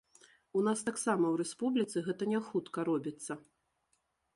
У нас таксама ў рэспубліцы гэта не хутка робіцца.